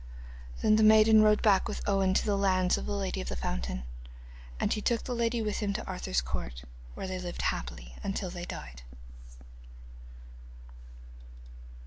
Then the maiden rode back with Owen to the lands of the lady of the fountain. And he took the lady with him to Arthur's court, where they lived happily till they died.